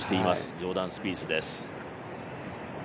ジョーダン・スピースです。